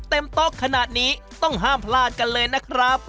โต๊ะขนาดนี้ต้องห้ามพลาดกันเลยนะครับ